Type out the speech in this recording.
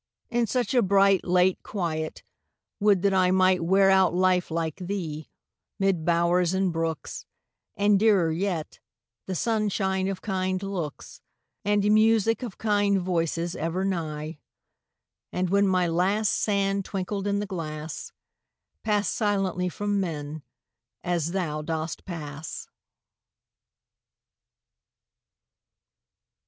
In such a bright, late quiet, would that I Might wear out life like thee, mid bowers and brooks, And, dearer yet, the sunshine of kind looks, And music of kind voices ever nigh; And when my last sand twinkled in the glass, Pass silently from men, as thou dost pass.